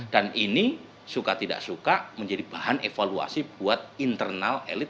dan ini suka tidak suka menjadi bahan evaluasi buat internal elektabilitas